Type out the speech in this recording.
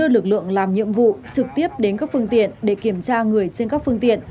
lực lượng làm nhiệm vụ trực tiếp đến các phương tiện để kiểm tra người trên các phương tiện